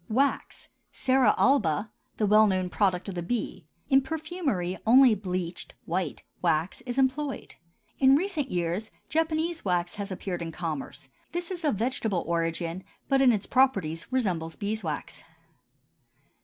WAX (Cera alba), the well known product of the bee; in perfumery only bleached (white) wax is employed. In recent years Japanese wax has appeared in commerce; this is of vegetable origin, but in its properties resembles beeswax.